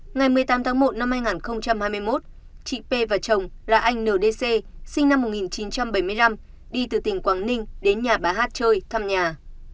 ngày một mươi tám tháng một năm hai nghìn hai mươi một chị p và chồng là anh ndc sinh năm một nghìn chín trăm bảy mươi năm đi từ tỉnh quảng ninh đến nhà bà hát chơi thăm nhà